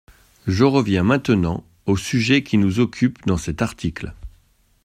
J’en reviens maintenant au sujet qui nous occupe dans cet article.